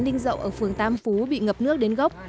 ninh dậu ở phường tam phú bị ngập nước đến gốc